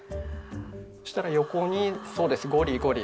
そしたら横にそうですゴリゴリ。